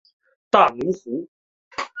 大奴湖。